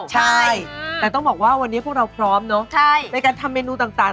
ใช่แต่ต้องบอกว่าวันนี้พวกเราพร้อมเนอะในการทำเมนูต่าง